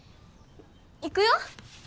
行くよ。